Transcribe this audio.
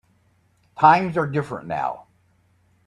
Times are different now.